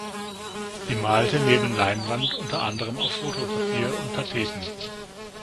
Sie malte neben Leinwand unter anderem auf Fotopapier und Tapeten.